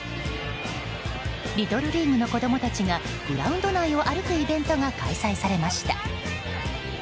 リトルリーグの子供たちがグラウンド内を歩くイベントが開催されました。